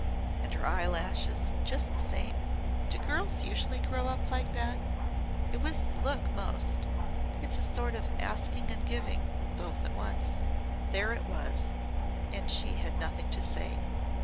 And her eyelashes. Just the same! Do girls usually grow up like that? It was the look most. It's a sort of asking and giving both at once." There it was! And she had nothing to say.